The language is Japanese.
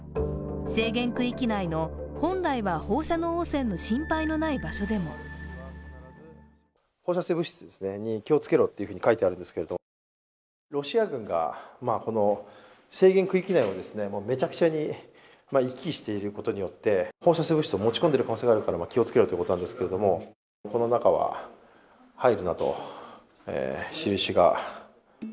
制限区域内の本来は放射能汚染の心配のない場所でも放射性物質に気をつけて書いてあるんですけれども、ロシア軍がこの制限区域内をめちゃくちゃに行き来していることによって、放射性物質を持ち込んでいる可能性があるから、気をつけろということなんですけどこの中は入るなと印が。